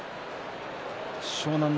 湘南乃